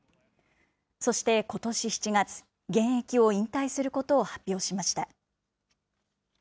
そして、ことし７月、現役を引退することを発表しました。